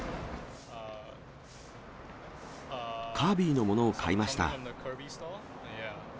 カービィのものを買いました。